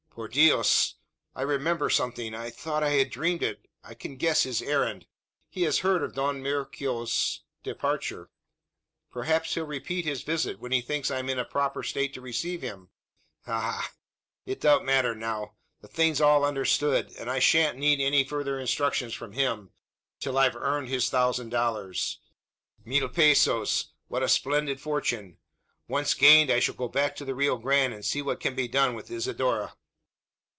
Por Dios! I remember something I thought I had dreamt it. I can guess his errand. He has heard of Don Mauricio's departure. Perhaps he'll repeat his visit, when he thinks I'm in a proper state to receive him? Ha! ha! It don't matter now. The thing's all understood; and I sha'n't need any further instructions from him, till I've earned his thousand dollars. Mil pesos! What a splendid fortune! Once gained, I shall go back to the Rio Grande, and see what can be done with Isidora."